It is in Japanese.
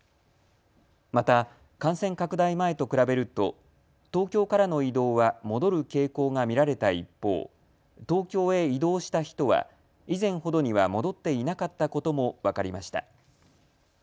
また、感染拡大前と比べると東京からの移動は戻る傾向が見られた一方、東京へ移動した人は以前ほどには戻っていなかったことも分かりました。